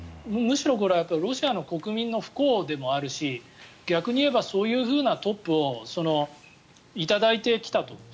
むしろロシアの国民の不幸でもあるし逆に言えばそういうふうなトップを頂いてきたと。